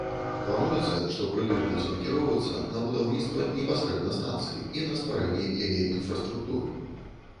Плануецца, што крэдыт будзе накіроўвацца на будаўніцтва непасрэдна станцыі і на стварэнне яе інфраструктуры.